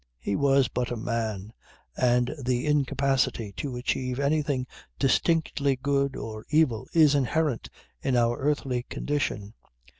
He was but a man, and the incapacity to achieve anything distinctly good or evil is inherent in our earthly condition.